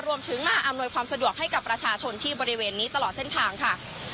รวมถึงมาอำนวยความสะดวกให้กับประชาชนที่บริเวณนี้ตลอดเส้นทางค่ะ